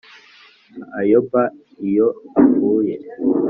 Ayoba iyo avuye